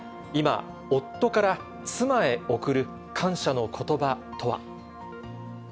今、夫から妻へ贈る感謝のことばとは。